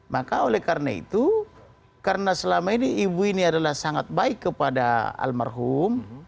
maka oleh karena itu karena selama ini ibu ini adalah sangat baik kepada almarhum